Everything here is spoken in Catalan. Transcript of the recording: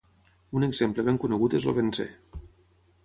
Un exemple ben conegut és el benzè.